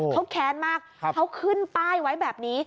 เขาแค้นมากเขาขึ้นป้ายไว้แบบนี้